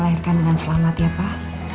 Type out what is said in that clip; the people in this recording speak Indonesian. dan kita akan berkah dengan selamat ya pak